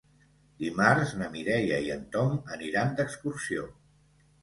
Dimarts na Mireia i en Tom aniran d'excursió.